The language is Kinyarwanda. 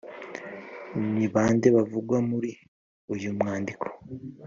Ni bande bavugwa muri uyu mwandiko?